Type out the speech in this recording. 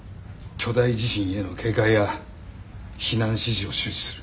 巨大地震への警戒や避難指示を周知する。